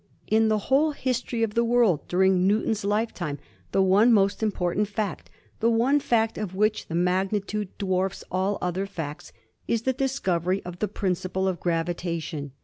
In the whole history of the world during Newton's lifetime the one most important fact, the one fact of which the mag nitude dwarfs all other facts, is the discovery of the principle of gravitation.